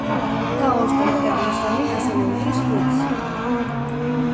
და ორს დამატებული სამი ასევე უდრის ხუთს.